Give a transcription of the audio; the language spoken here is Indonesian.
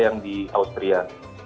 yang di austria